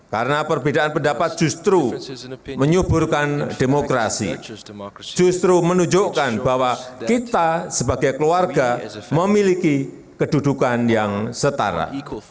karena perbedaan pendapat justru menyuburkan demokrasi justru menunjukkan bahwa kita sebagai keluarga memiliki kedudukan yang setara